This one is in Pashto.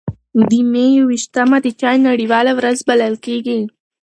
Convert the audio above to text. د مې یو ویشتمه د چای نړیواله ورځ بلل کېږي.